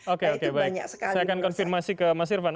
oke oke baik saya akan konfirmasi ke mas irvan